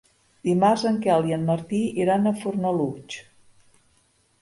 Dimarts en Quel i en Martí iran a Fornalutx.